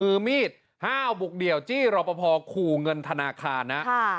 คือมีด๕บุคเดียวที่รอบพอคู่เงินธนาคารนะ